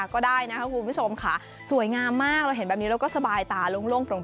ก็ได้นะครับคุณผู้ชมค่ะสวยงามมากเราเห็นแบบนี้เราก็สบายตาโล่งโปร่ง